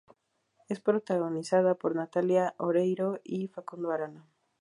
Es protagonizada por Natalia Oreiro y Facundo Arana.